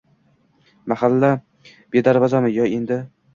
Mahalla bedarvozami yo endi?